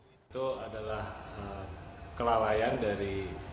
itu adalah kelalaian dari